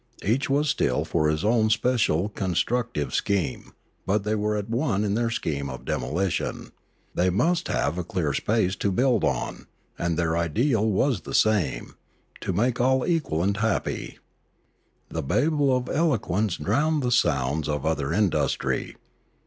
Each was still for his own special construct ive scheme, but they were at one in their scheme of demolition; they must have a clear space to build on, and their ideal was the same, to make all equal and happy. The babel of eloquence drowned the sounds of other industry.